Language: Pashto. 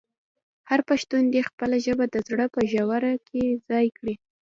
هر پښتون دې خپله ژبه د زړه په ژوره کې ځای کړي.